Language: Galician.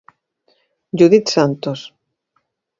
Judit Santos.